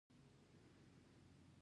ژوند په نفرت نه ارزي.